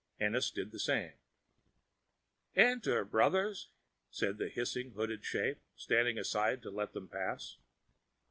Ennis did the same. "Enter, brothers," said the hissing, hooded shape, standing aside to let them pass.